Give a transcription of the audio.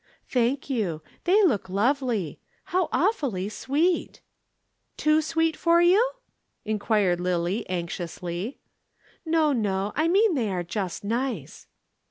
"Thank you. They look lovely. How awfully sweet!" "Too sweet for you?" inquired Lillie anxiously. "No, no. I mean they are just nice."